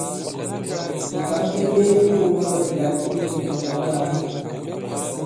Bìkǎŋ bi mbe bi wōma ɓɛ ŋgǎn i minyɔ̌ mi makaa.